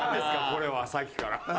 これはさっきから。